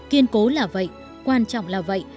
kiên cố là vậy quan trọng là vậy